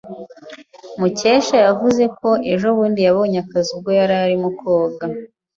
Mukesha yavuze ko ejobundi yabonye akazu ubwo yari arimo koga.